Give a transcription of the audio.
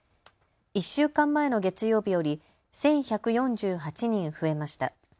１週間前の月曜日より１１４８人増えました。